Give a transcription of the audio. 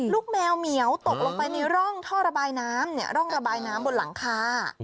แมวเหมียวตกลงไปในร่องท่อระบายน้ำเนี่ยร่องระบายน้ำบนหลังคา